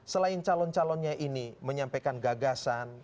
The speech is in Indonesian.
selain calon calonnya ini menyampaikan gagasan